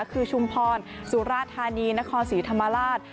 คือชุมพรสุราธานีนครศรีธรรมราช